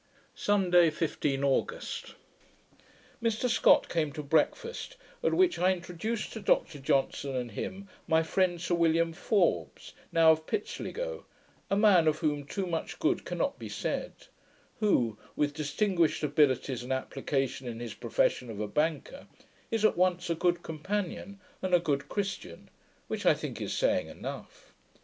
Sunday, 15th August Mr Scott came to breakfast, at which I introduced to Dr Johnson, and him, my friend Sir William Forbes, now of Pitsligo; a man of whom too much good cannot be said; who, with distinguished abilities and application in his profession of a banker, is at once a good companion, and a good Christian; which I think is saying enough.